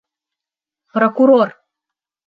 Прокурор!